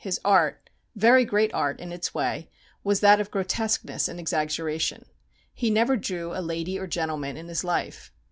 His art, very great art in its way, was that of grotesqueness and exaggeration. He never drew a lady or gentleman in his life.